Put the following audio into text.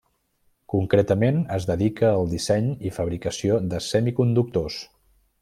Concretament es dedica al disseny i fabricació de semiconductors.